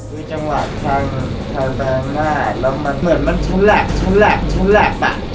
คือจังหวัดทางทางแบรนดรแล้วมันเหมือนมันชุดแลกชุดแลกชุดแลกอ่ะ